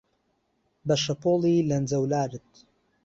بە شەپۆلی لەنجەولارت